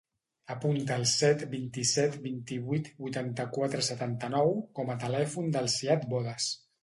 Apunta el set, vint-i-set, vint-i-vuit, vuitanta-quatre, setanta-nou com a telèfon del Ziad Bodas.